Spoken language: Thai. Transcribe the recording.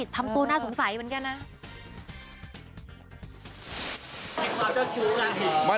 ทำตัวน่าสงสัยเหมือนกันนะ